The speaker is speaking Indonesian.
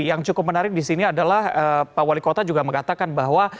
yang cukup menarik di sini adalah pak wali kota juga mengatakan bahwa